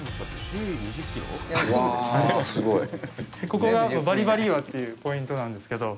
ここが「バリバリ岩」というポイントなんですけど。